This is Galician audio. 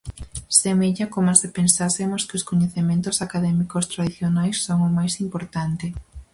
Semella coma se pensásemos que os coñecementos académicos tradicionais son o máis importante.